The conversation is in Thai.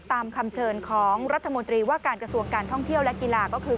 ตามคำเชิญของรัฐมนตรีว่าการกระทรวงการท่องเที่ยวและกีฬาก็คือ